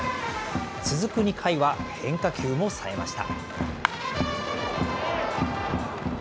続く２回は変化球もさえました。